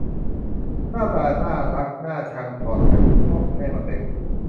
หน้าตาน่ารักน่าชังถอดแบบคุณพ่อคุณแม่มาเต็ม